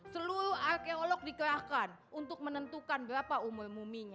seluruh arkeolog dikerahkan untuk menentukan berapa umur muminya